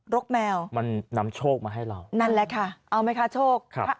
กแมวมันนำโชคมาให้เรานั่นแหละค่ะเอาไหมคะโชคครับ